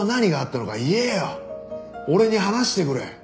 俺に話してくれ。